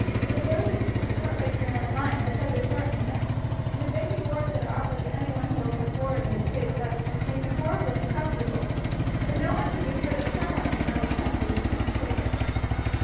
The failures upon Cartwright's mill and mine must have disheartened them, and the big rewards that are offered to any one who will come forward and betray the rest must make them horribly uncomfortable, for no one can be sure that some one may not be tempted to turn traitor."